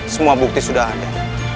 semua bukti sudah ada